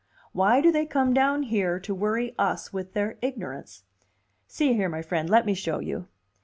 Why do they come down here to worry us with their ignorance? See here, my friend, let me show you!"